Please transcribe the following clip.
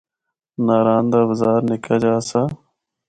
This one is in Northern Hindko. ناران دا بازار نِکا جا آسا۔